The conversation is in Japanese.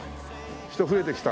人増えてきた。